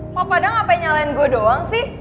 apa apaan gak pengen nyalain gue doang sih